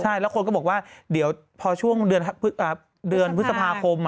ใช่แล้วคนก็บอกว่าเดี๋ยวพอช่วงเดือนพฤษภาคม